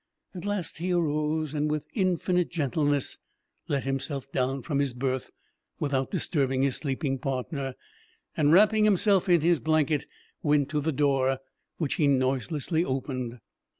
At last he arose, and with infinite gentleness let himself down from his berth without disturbing his sleeping partner, and wrapping himself in his blanket, went to the door, which he noiselessly opened.